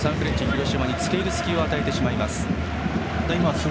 広島に付け入る隙を与えてしまいます。